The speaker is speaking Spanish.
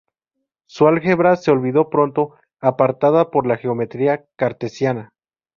Su álgebra se olvidó pronto, apartada por la geometría cartesiana.